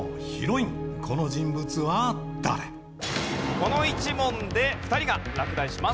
この１問で２人が落第します。